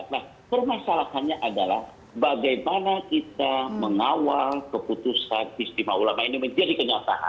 nah permasalahannya adalah bagaimana kita mengawal keputusan istimewa ulama ini menjadi kenyataan